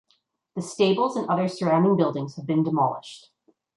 The stables and other surrounding buildings have been demolished.